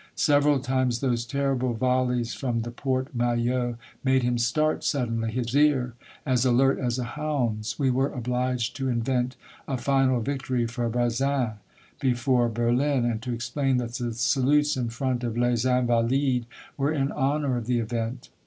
Several times those terrible 4 50 Monday Tales, volleys from the Porte Maillot made him start sud denly, his ear as alert as a hound's : we were obliged to invent a final victory for Bazaine before Berlin, and to explain that the salutes in front of Les Invalides were in honor of the event.